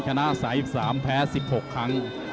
ชนะ๓๓แพ้๑๖ครั้ง